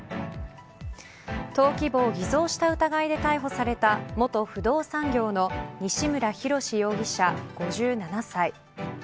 登記簿を偽造した疑いで逮捕された元不動産業の西村浩容疑者、５７歳。